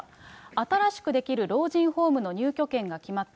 新しく出来る老人ホームの入居権が決まった。